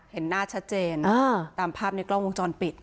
เห็นหน้าชัดเจนตามภาพในกล้องวงจรปิด